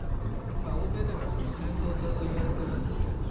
今、欧米では戦争党といわれているんですが